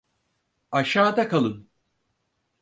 Aşağıda kalın!